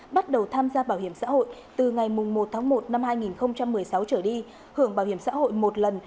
bắt đầu tham gia bảo hiểm xã hội từ ngày một tháng một năm hai nghìn một mươi sáu trở đi hưởng bảo hiểm xã hội một lần